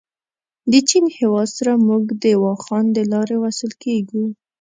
د چین هېواد سره موږ د واخان دلاري وصل کېږو.